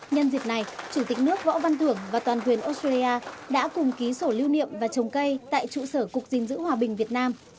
nhân dịp này chủ tịch nước võ văn thưởng và toàn quyền australia đã cùng ký sổ lưu niệm và trồng cây tại trụ sở cục gìn giữ hòa bình việt nam